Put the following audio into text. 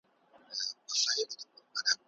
مذهبي لږکي د کار کولو مساوي حق نه لري.